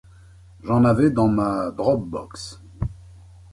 j'en avais dans ma dropbox.